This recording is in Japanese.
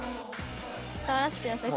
触らせてください。